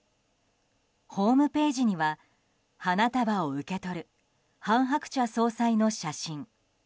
ホームページには花束を受け取る韓鶴子総裁の写真。